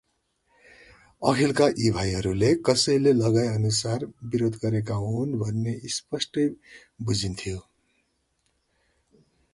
अखिलका यी भाइहरूले कसैले लगाएअनुसार विरोध गरेका हुन् भन्ने स्पष्टै बुझिन्थ्यो ।